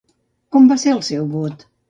Com va ser el seu vot?